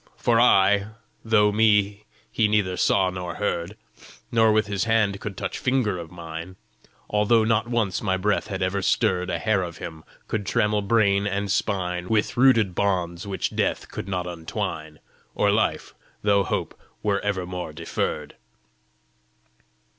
"For I, though me he neither saw nor heard, Nor with his hand could touch finger of mine, Although not once my breath had ever stirred A hair of him, could trammel brain and spine With rooted bonds which Death could not untwine Or life, though hope were evermore deferred."